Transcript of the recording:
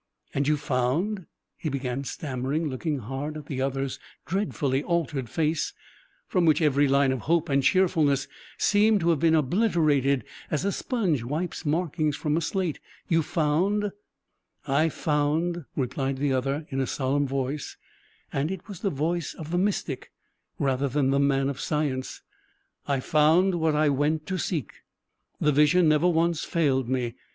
"And you found " he began stammering, looking hard at the other's dreadfully altered face, from which every line of hope and cheerfulness seemed to have been obliterated as a sponge wipes markings from a slate "you found " "I found," replied the other, in a solemn voice, and it was the voice of the mystic rather than the man of science "I found what I went to seek. The vision never once failed me.